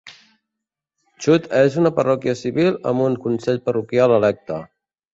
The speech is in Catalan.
Chute és una parròquia civil amb un consell parroquial electe.